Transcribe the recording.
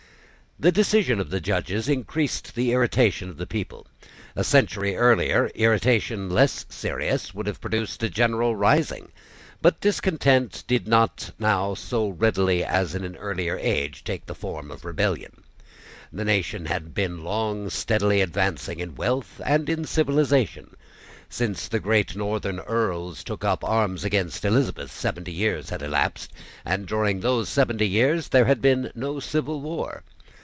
The decision of the judges increased the irritation of the people. A century earlier, irritation less serious would have produced a general rising. But discontent did not now so readily as in an earlier age take the form of rebellion. The nation had been long steadily advancing in wealth and in civilisation. Since the great northern Earls took up arms against Elizabeth seventy years had elapsed; and during those seventy years there had been no civil war.